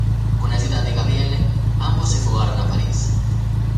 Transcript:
Con ayuda de Gabrielle, ambos se fugaron a París.